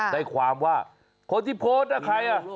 ได้ความว่าคนที่โพสต์นะใครอ่ะ